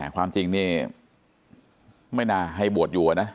ความจริงนี่ไม่น่าให้บวชอยู่นะ